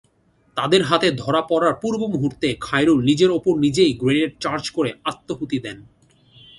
তাদের হাতে ধরা পড়ার পূর্ব মুহূর্তে খায়রুল নিজের ওপর নিজেই গ্রেনেড চার্জ করে আত্মাহুতি দেন।